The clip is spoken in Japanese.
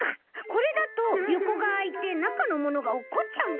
これだとよこがあいてなかのものがおっこっちゃうんだ。